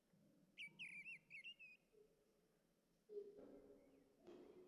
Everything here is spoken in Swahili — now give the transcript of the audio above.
kusini Vita ya wenyewe kwa wenyewe ya Marekani